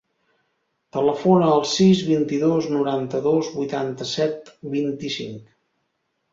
Telefona al sis, vint-i-dos, noranta-dos, vuitanta-set, vint-i-cinc.